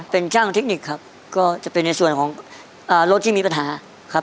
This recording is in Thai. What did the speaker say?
เป็นช่างเทคนิคครับก็จะเป็นในส่วนของรถที่มีปัญหาครับ